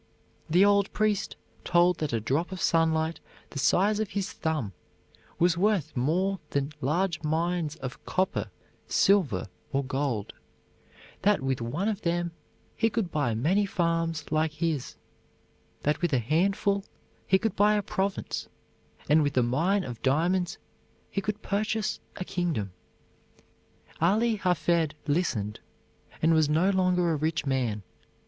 The old priest told that a drop of sunlight the size of his thumb was worth more than large mines of copper, silver, or gold; that with one of them he could buy many farms like his; that with a handful he could buy a province, and with a mine of diamonds he could purchase a kingdom. Ali Hafed listened, and was no longer a rich man.